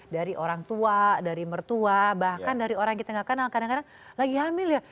dari orang tua dari mertua bahkan dari orang yang kita gak kenal kadang kadang lagi hamil ya